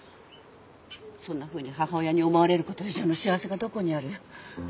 そんなふうに母親に思われること以上の幸せがどこにある？